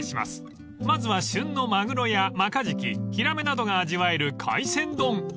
［まずは旬のマグロやマカジキヒラメなどが味わえる海鮮丼］